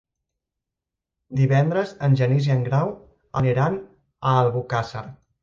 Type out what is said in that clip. Divendres en Genís i en Grau iran a Albocàsser.